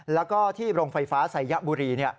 แล้วก็ที่โรงไฟฟ้าไซยบุรี